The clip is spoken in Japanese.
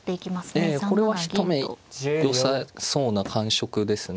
ええこれは一目よさそうな感触ですね。